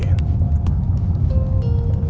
belum lagi baju kemarin kita